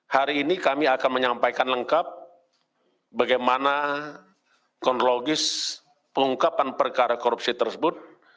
hari ini kami akan menyampaikan lengkap bagaimana kronologis pengungkapan perkara korupsi tersebut